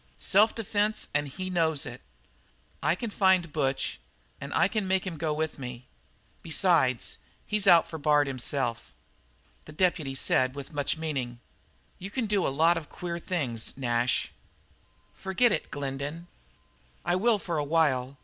"Self defence, and he knows it. I can find Butch, and I can make him go with me. Besides, he's out for Bard himself." The deputy said with much meaning: "You can do a lot of queer things, Nash." "Forget it, Glendin." "I will for a while.